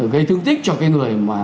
gây thương tích cho cái người mà